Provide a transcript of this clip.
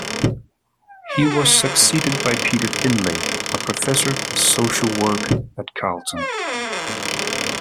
He was succeeded by Peter Findlay, a professor of Social Work at Carleton.